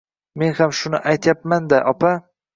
Men ham shuni aytyapman-da, opa